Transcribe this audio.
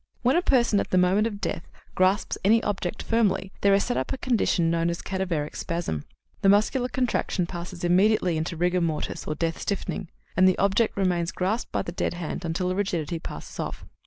When a person, at the moment of death, grasps any object firmly, there is set up a condition known as cadaveric spasm. The muscular contraction passes immediately into rigor mortis, or death stiffening, and the object remains grasped by the dead hand until the rigidity passes off.